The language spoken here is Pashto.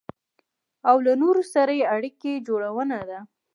او له نورو سره يې اړيکه جوړونه ده.